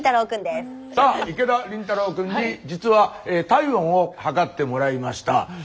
さあ池田倫太朗くんに実は体温を測ってもらいました。